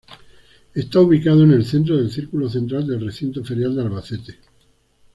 Está ubicado en el centro del Círculo Central del Recinto Ferial de Albacete.